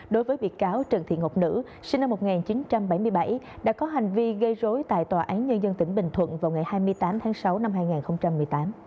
đối với bị cáo trần thị ngọc nữ sinh năm một nghìn chín trăm bảy mươi bảy đã có hành vi gây rối tại tòa án nhân dân tỉnh bình thuận vào ngày hai mươi tám tháng sáu năm hai nghìn một mươi tám